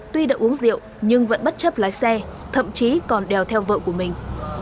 tuy đã uống rượu nhưng vẫn bất chấp lái xe thậm chí còn đèo theo vợ của mình